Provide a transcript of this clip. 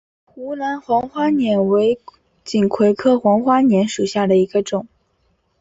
湖南黄花稔为锦葵科黄花稔属下的一个种。